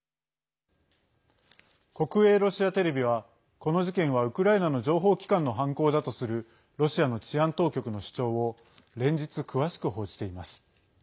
国営ロシアテレビはこの事件はウクライナの情報機関の犯行だとするロシアの治安当局の主張を連日、詳しく報じています。